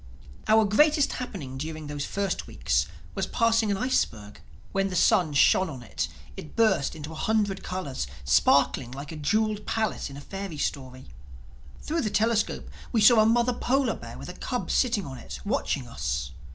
Our greatest happening during those first weeks was passing an iceberg. When the sun shone on it it burst into a hundred colors, sparkling like a jeweled palace in a fairy story. Through the telescope we saw a mother polar bear with a cub sitting on it, watching us.